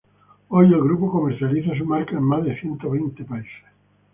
Hoy, el grupo comercializa sus marcas en más de ciento veinte países.